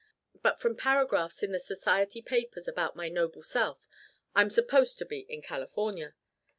But from paragraphs in the Society papers about my noble self I'm supposed to be in California.